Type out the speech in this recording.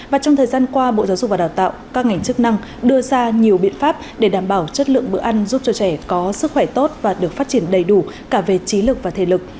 và trong thời gian qua bộ giáo dục và đào tạo các ngành chức năng đưa ra nhiều biện pháp để đảm bảo chất lượng bữa ăn giúp cho trẻ có sức khỏe tốt và được phát triển đầy đủ cả về trí lực và thể lực